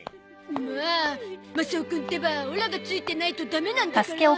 もうマサオくんってばオラがついてないとダメなんだから。